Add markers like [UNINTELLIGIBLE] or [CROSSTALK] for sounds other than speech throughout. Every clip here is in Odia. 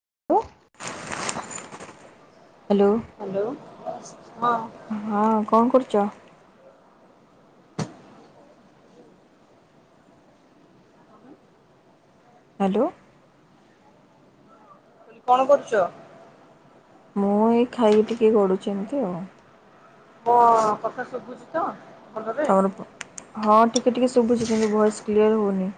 Hello [UNINTELLIGIBLE] hello hello. ବସ୍। ହଁ କଣ କରୁଛ। ଞ୍ଚ। ହ୍ୟାଲୋ। କହିଲି କଣ କରୁଛ। ମୁଁ ଏଇ ଖାଇକି ଟିକେ ଗଢୁଛି ଏମିତି ଆଉ। ମୋ କଥା ଶୁଭୁଛି ତ। ର ହଁ ଠିକ ଟିକେ ଟିକେ ଶୁଭୁଛି କିନ୍ତୁ ଭଏସ୍ କ୍ଲିୟର୍ ହୋଉନି।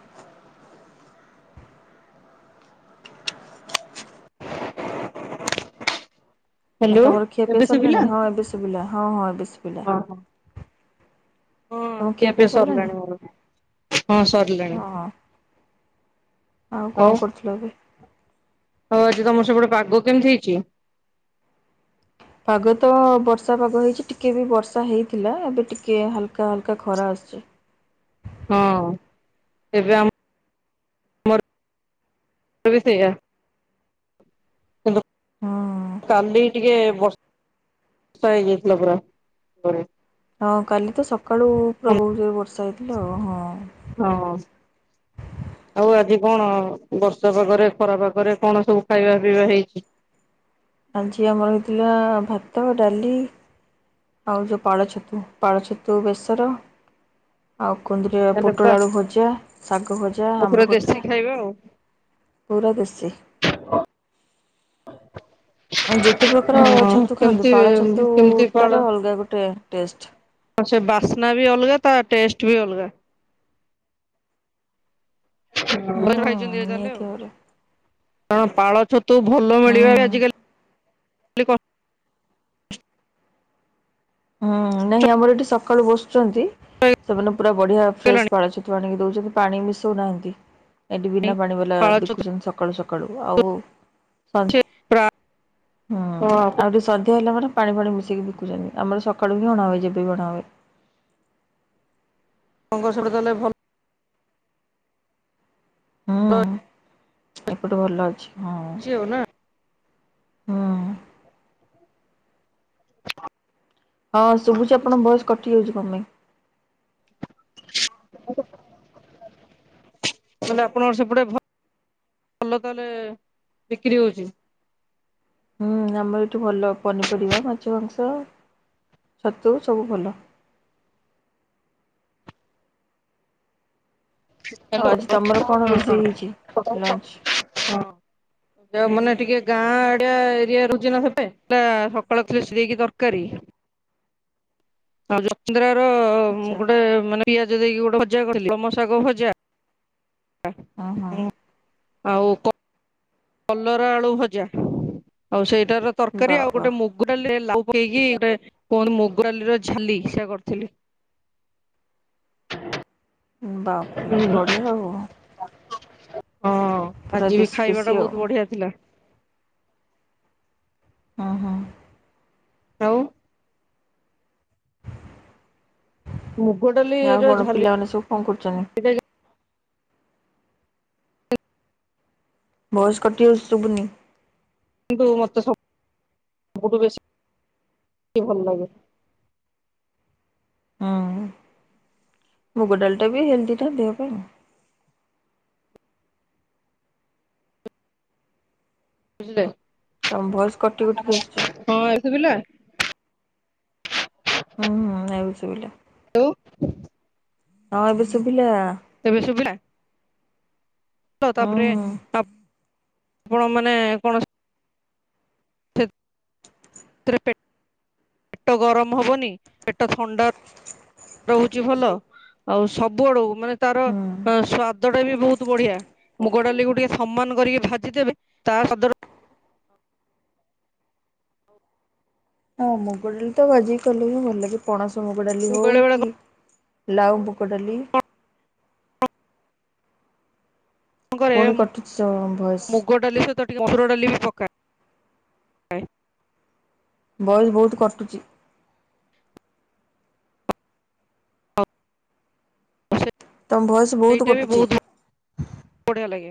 ଆଉ ହ୍ୟାଲୋ ତମର ଖିଆପିଆ ଏବେ ଶୁଭିଲା, ସରିଲାଣି ହଁ ଏବେ ଶୁଭିଲା ହଁ ହଁ ଏବେ ଶୁଭିଲା ହ ହଁ ତମ ଖିଆପିଆ ଏବେ ସରିଲାଣି ମୋର ହଁ ସରିଲାଣି। ହଁ ହଁ। ଆଉ କଣ କରୁଥିଲୁ କି? ହଉ ଆଜି ତମର ସପଟେ ପାଗ କେମିତି ହେଇଛି? ପାଗ ତ ବର୍ଷା ପାଗ ହେଇଛି। ଟିକେ ବି ବର୍ଷା ହେଇଥିଲା ଏବେ ଟିକେ ହାଲକା ହାଲକା ହାକା ଖରା ଆଛି। ହଁ ଏବେ ଆର ବି ସେଇଆ। କିନ୍ତୁ ହୁଁ କାଲି ଟିକେ ବ [UNINTELLIGIBLE] ଷା ହେଇଯାଇଥିଲା ପୁରା। ହଁ କାଲି ତ ସକାଳୁ ପୁରା ହଁ ବହୁତ ବର୍ଷ ଷା ହେଇଥିଲା ହଁ। ଆଉ ଆଜି କଣ ବର୍ଷା ପାଗରେ ଖରାପାଗରେ କଣ ସବୁ ଖାଇବା ପିଇବା ହେଇଛି? ଆଜି ଆମର ହେଇଥିଲା ଭାତ ଡାଲି ଆଉ ଯେଉଁ ପାଳ ଛତୁ ପାଳ ଛତୁ ବେସର ଆଉ କୁନ୍ଦିରି ଆରେ ବା ପୋଟଳଳୁ ଭଜା। ସାଗ ଭଜା ଆଉ ପୁରା ଅମ୍ବ ଖଟା ଦେଶୀ ଖାଇବା ଆଉ ପୁରା ଦେଶୀ। ଆଉ ଯେତେ ପ୍ରକାର ହଁ ଛତୁ ଖାଆନନ୍ତୁ, କେମିତି ପାଳ ଛତୁ ଟ ର ଅଲଗା ଗୋଟେ ଟେଷ୍ଟ୍। ଆଛଆ ବାସନା ବି ଅଲଗା ତା ଟେଷ୍ଟଟ ବି ଅଲଗା। ହୁଁ ବ ଭାଇ ଜ ଦରେ ଚାଲେ। ନିହାତି ଭାବରେ ତଣ ପାଳଛ ତୁ ଭଲ ହୁଁ ମିଳିବା ଆଜିକାଲି [UNINTELLIGIBLE] ହୁଁ ନାଇଁ ଆମର ଏଠି ସକାଳୁ ବସ ସେମାନେ ପୁରା ବଢିଆ ଫ୍ରେଶ ହେଇଗଲାଣି। ପାଳ ଛତୁ ଆଣିକି ଦଉଛନ୍ତି ପାଣି ମି ସୁନାାଇନ୍ତି। ଏଠି ବିନା ପାଣି ବାଲା ପାଳ ଛତୁ ଦେଖୁଛନ୍ତି ସକାଳୁ ସକାଳୁ। ମକ୍ଳୁ ଆଉ ସ ସେ ପ୍ରାୟ ହୁଁ ଆପଣଙ୍କ ଆଉ ସଧ୍ୟା ହେଲା ମନ ପାଣି ଫଣି ମିଶିକି ବିକୁଛନ୍ତିି। ଆମର ସକାଳୁ ବି ଅଣା ହଏ ଯେବେ ବଣା ହଏ। କଙ୍ଗ ଡ଼ ଦେଲେ ଭଲ ହୁଁ ଏପଟୁ ଭଲ ଅଛି ହଁ। ଅଛି ଆଉ ନା ହଁ [INAUDIBLE] [INAUDIBLE] ହଁ ଶୁଭୁଛି ଆପଣ ବୟସ କଟି ଯାଉଛି କଣ ପାଇଁ? ତାହଲେ ଆପଣଙ୍କର ସେପଟେ ଭଲ ତାହେଲେ ବିକ୍ରି ହଉଛି। ହୁଁ ଆମର ଏଠୁ ଭଲ ପନିପରିବା ମାଛ ମାଂସ ଛତୁ ସବୁ ଭଲ ଆଉ ହ୍ୟାଲୋ ଆଜି ତମର କଣ ରୋଷେଇ ହେଇଛି ଲଞ୍ଚ ଯଉ ମାନେ ଟିକେ ଗାଁ ଆଡିଆ ଏରିଆ ରହୁଛି ନା ସେବେ ସକାଳଷ୍ଟ ଦେଇକି ଦରକାରୀ [UNINTELLIGIBLE] ଆଚ୍ଛା ଗୋଟେ ମାନେ ଇ ଯଦି ଦେଇକି ଗୋଟେ ଭଜା କରିଥିଲି ବମସାଗ ଭଜା ହଁ ହଁ [INAUDIBLE] ଆଉ କ କଲରା ଆଳୁ ଭଜା ଆଉ ସେଇ। । ତାର ବା ତରକାରୀ ଆଉ ବା ଗୋଟେ ମୁଗ ଡାଲି ଲାଉ ପକେଇକି ଗୋଟେ କଣ ମୁଗ ଡ଼ାଲି ର ଛେଲି ହ ସୋ କରିଥିଲି ବାପରେ ବଢ଼ିଆ ହୁ [INAUDIBLE] ହଁ ଆଜି ବି ଖାଇବା ଦେଶୀ ଟା ଆଉ ବହୁତ ବଢିଆ ଥିଲା ହଁ ହଁ। ଆଉ। ମୁଗ ଡାଲି ଆଉ ର କଣ ଝାଲ ପିଲାମାନେ ସବୁ କଣ କରୁଛନ୍ତୀ? ଭଏସ କଟିଯାଇଛି ସୁବୁନି। କିନ୍ତୁ ମତେ ସବୁ ସବୁଠି ବେଶି ଭଲ ଲାଗେ। ହୁଁ ମୁଗ ଡାଲ ଟା ବି ହେଲଦି ଟା ଦେହ ପାଇଁ। ବୁଝିଲେ। ତମ ଭଏସ କଟି କଟିକି ଆସିଚି। ସୁବିଲା। ହୁଁ ହୁଁ ଏବେ ଶୁଭିଲା। [INAUDIBLE] ହଁ ଏବେ ଶୁଭିଲା। ଏବେ ଶୁଭିଲା। ହ ହୁଁ ତାପରେ ହୁଁ ଆ। ଆପଣ ମାନେ କୌଣସି ପେଟ [INAUDIBLE] ପେଟ ଗରମ ହବନି ପେଟ ଥଣ୍ଡା ରହୁଛି ଭଲ ଆଉ ସବୁଆଡୁ ମାନେ ତାର ହୁଁ। ସ୍ଵାଦ ସ୍ୱାଦ ଟା ବି ବହୁତ ବଢିଆ ମୁଗ ଡାଲିକୁୁ ଟିକେ ସମ୍ମାନ କରିକି ଭାଜି ଦେବେ ତା ସ୍ୱାଦ ହଁ ମୁଗ ଡାଲି ତ ଭାଜି କଲେ ବି ଭଲ ଲାଗେ ପଣା ମୁଗ ଡାଲି ମୁଁ ହଉ ବେଳେ ବେଳେ କି କଣ ଲାଉ ମୁଗ ଡାଲି। କରେ ପୁଣି କଟୁଛି ଭଏସ। ମୁଗ ଡାଲି ସହିତ ଟିକେ ମସୁର ଡାଲି ବି ପକାଏ ବଇ ବହୁତ କଟୁଛି। ତମ ଭଏସ ବହୁତ ସେଇଟା ବି କଟୁଛି। ବଢିଆ ଲାଗେ।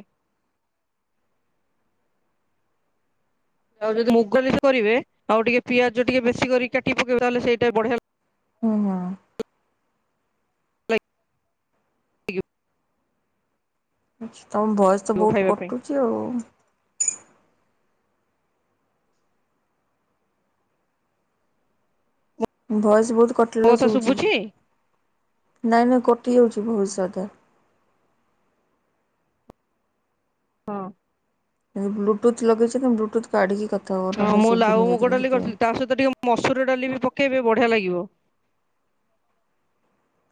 ଆଉ ଯଦି ମୁଗଲି କରିବେ ଆଉ ଟିକେ ପିଆଜ ଟିକେ ବେଶୀ କରି କାଟି ପକେଇବା ତାହେଲେ ସେଇଟା ବଢିଆ ଲାଗ ହୁଁ ହଁ। [UNINTELLIGIBLE] ଆଛା। ତମ ଭଏସ ତ ବହୁତ ଖାଇବା ପାଇଁ କଟୁଛି ଆଉ। ଭଏସ ବହୁତ ମୋ କଟିଲା କଥା ଶୁଭୁଛି। ନାଇଁ ନାଇଁ କଟି ଯାଉଛି ବହୁତ ଯାଦା। ହଁ। ବ୍ଲୁଟୁଥ ଲଗେଇେଛନ୍ତି ବ୍ଲୁଟୁଥ କାଢିକି କଥା ହୁଅ ହଁ ନହେଲେ ମୁଁ ଲାଉ ଶୁଭୁନି ମୁଗ ସେଥିରେ ଡାଲି ସେଥିପାଇଁ। କରିଥିଲି ତା ସହିତ ଟିକେ ମସୁର ଡାଲି ବି ପକ୍ କେଇବେ ବଢିଆ ଲାଗିବ।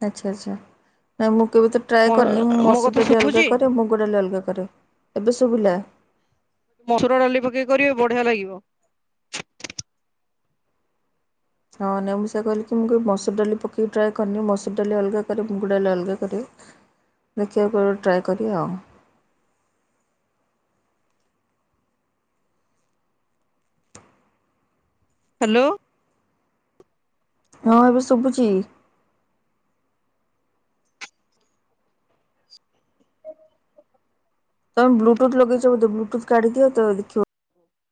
ଆଚ୍ଛା ଆଛା ମୁ କେବେ ତ ଟ୍ରାଏ ମୋ କରିନି ମୁଁ ମୋ ମସୁରୀ କଥା ଟାଲି ଅଲଗା ଶୁଭୁଛି କରେ ମୁଗଡାଲି ଅଲଗା କରେ ଏବେ ସ ଶୁବିଲା। ମସୁର ଡାଲି ପକେଇ କରିବେ ବଢିଆ ଲାଗିବ। ହଁ ନେ ମଷା କହିଲି, ମୁଁ ମସୁର ଡାଲି ପକେଇକି ଟ୍ରାଏ କରିନି ମସୁରୀ ଡାଲି ଅଲଗା କରେ ମୁଗୁ ଡାଲି ଅଲଗା କରିବ ଦେଖିବାକୁ ଟ୍ରାଏ କରି ଆଉ। ହ୍ୟାଲୋ। ହଁ ଏବେ ଶୁଭୁଛି। [UNINTELLIGIBLE] ତମେ ବ୍ଲୁ। ଟୁଥ ଲଗେଇଛ, ବ୍ଲୁଟୁଥୁ କାଢିଦିଅ। [INAUDIBLE] ହୁଁ [UNINTELLIGIBLE]